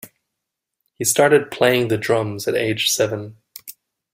He started playing the drums at age seven.